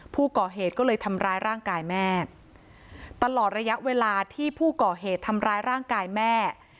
ผู้ก่อเหตุก็เลยทำร้ายร่างกายแม่ตลอดระยะเวลาที่ผู้ก่อเหตุทำร้ายร่างกายแม่